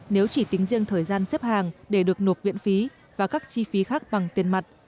nếu chỉ tính riêng thời gian xếp hàng để được nộp viện phí và các chi phí khác bằng tiền mặt